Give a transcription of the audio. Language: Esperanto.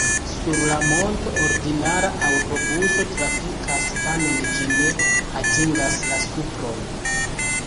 Sur la monto ordinara aŭtobuso trafikas, tamen ĝi ne atingas la supron.